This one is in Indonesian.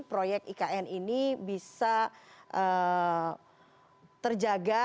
proyek ikn ini bisa terjaga